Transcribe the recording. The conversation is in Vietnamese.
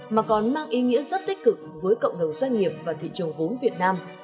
mà còn mang ý nghĩa rất tích cực với cộng đồng doanh nghiệp và thị trường vốn việt nam